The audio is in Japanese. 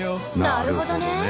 なるほどね。